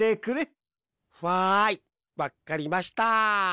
ふあいわっかりました。